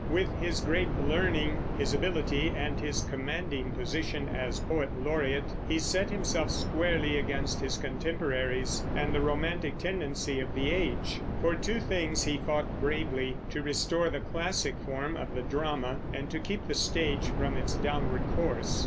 With his great learning, his ability, and his commanding position as poet laureate, he set himself squarely against his contemporaries and the romantic tendency of the age. For two things he fought bravely, to restore the classic form of the drama, and to keep the stage from its downward course.